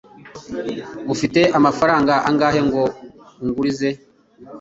ufite amafaranga angahe ngo ungurize?